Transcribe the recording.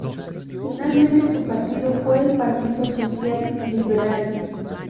Finalmente su partido fue el Partido Social Liberal.